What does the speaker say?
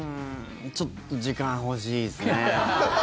ちょっと時間欲しいですね。